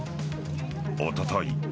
おととい